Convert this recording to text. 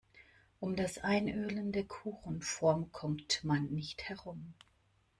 Um das Einölen der Kuchenform kommt man nicht herum.